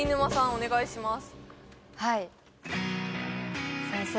お願いします